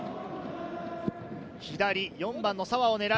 左、４番の澤を狙う。